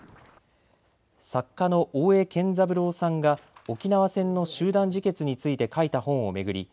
作家の大江健三郎さんが沖縄戦の集団自決について書いた本を巡り